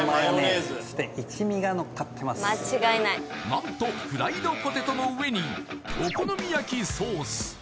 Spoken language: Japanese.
何とフライドポテトの上にお好み焼きソース